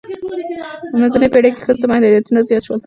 منځنۍ پیړۍ کې ښځو ته محدودیتونه زیات شول.